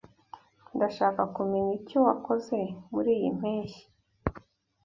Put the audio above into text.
Ndashaka kumenya icyo wakoze muriyi mpeshyi.